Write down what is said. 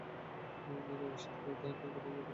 আমি শীঘ্রই এখান হতে অন্যত্র যাব।